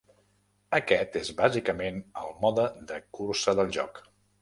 Aquest és bàsicament el mode de cursa del joc.